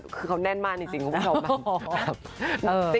คือเขาแน่นมั่นจริงแบบ